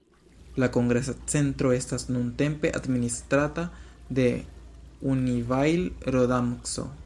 La kongresa centro estas nuntempe administrata de "Unibail-Rodamco".